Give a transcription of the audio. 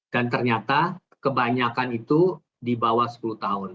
dan ternyata kebanyakan itu di bawah sepuluh tahun